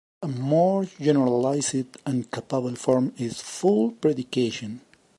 A more generalized and capable form is "full predication".